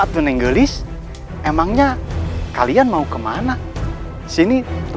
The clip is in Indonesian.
terima kasih ibu